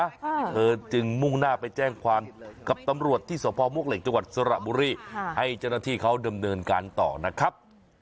เธอจึงมุ่งหน้าไปแจ้งความกับตำรวจที่สพมวกเหล็กจังหวัดสระบุรีค่ะให้เจ้าหน้าที่เขาดำเนินการต่อนะครับ